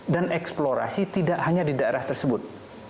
dan eksplorasi tidak hanya di daerah tersebut